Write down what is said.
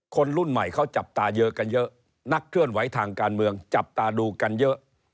คนรุ่นใหม่เขาจับตาเยอะกันเยอะนักเคลื่อนไหวทางการเมืองจับตาดูกันเยอะ